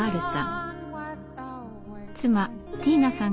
妻ティーナさん